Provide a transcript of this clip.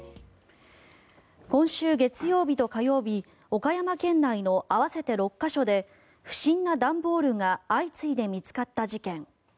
今週月曜日と火曜日、岡山県内の合わせて６か所で不審な段ボールが相次いで見つかった事件。